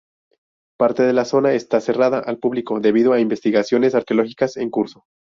Parte de la zona está cerrada al público debido a investigaciones arqueológicas en curso.